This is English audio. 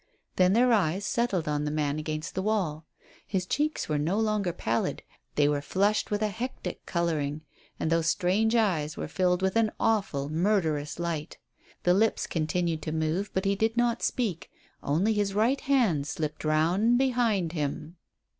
Then their eyes settled on the man against the wall. The cheeks were no longer pallid; they were flushed with a hectic colouring, and those strange eyes were filled with an awful, murderous light. The lips continued to move, but he did not speak; only his right hand slipped round behind him.